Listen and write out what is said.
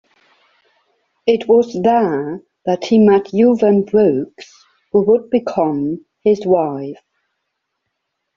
It was there that he met Youvene Brooks, who would become his wife.